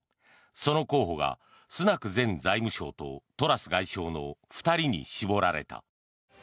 その候補がスナク前財務相とトラス外相の２人に絞られた。